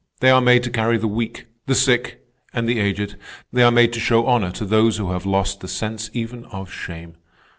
They are made to carry the weak, the sick, and the aged; they are made to show honor to those who have lost the sense even of shame.